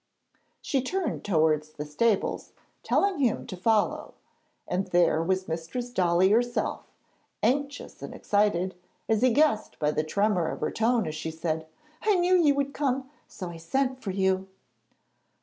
She turned towards the stables, telling him to follow, and there was Mistress Dolly herself, anxious and excited, as he guessed by the tremor of her tone as she said: 'I knew you would come, so I sent for you.'